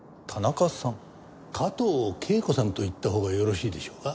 加藤啓子さんと言ったほうがよろしいでしょうか？